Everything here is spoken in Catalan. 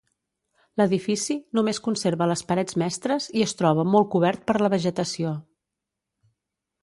L'edifici només conserva les parets mestres i es troba molt cobert per la vegetació.